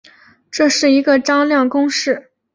这是个张量公式。